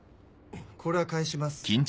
これは返します